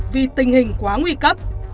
vì tình hình quá nguy cấp